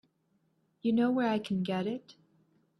You know where I can get it?